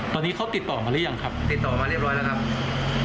ตอนนี้เขาติดต่อมาหรือยังครับติดต่อมาเรียบร้อยแล้วครับ